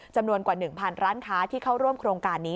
จำนวนกว่า๑๐๐ร้านค้าที่เข้าร่วมโครงการนี้